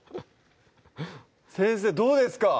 先生どうですか？